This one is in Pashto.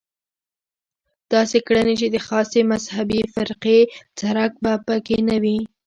داسې کړنې چې د خاصې مذهبي فرقې څرک به په کې نه وي.